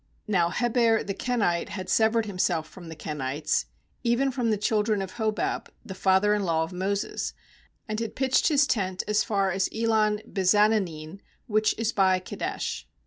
uNow Heber the Kenite had sev ered himself from the Kenites, even from the children of Hobab the father in law of Moses, and had pitched his tent as far as Elon bezaanannim, which is by Kedesh.